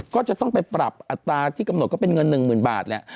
ก็จะต้องไปปรับอัตราที่กำหนดก็เป็นเงินหนึ่งหมื่นบาทแล้ว